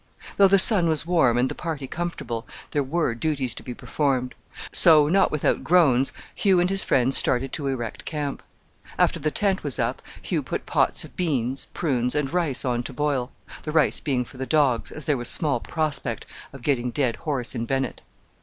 Though the sun was warm and the party comfortable, there were duties to be performed; so, not without groans, Hugh and his friends started to erect camp. After the tent was up, Hugh put pots of beans, prunes, and rice on to boil the rice being for the dogs, as there was small prospect of getting dead horse in Bennett.